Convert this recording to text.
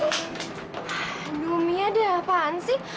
aduh mia dia apaan sih